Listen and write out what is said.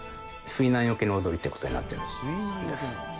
水難よけの踊りということになってるんです。